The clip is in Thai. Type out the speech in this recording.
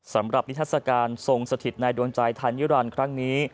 สำหรับวิทยาศการทรงสถิตในดวงใจธัณฑ์ยุรันต์ครั้งนี้